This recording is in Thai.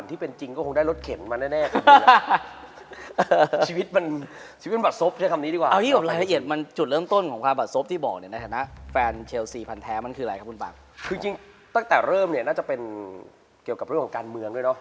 ตั้งแต่เริ่มเนี่ยน่าจะเป็นเกี่ยวกับเรื่องการเมืองด้วยนะ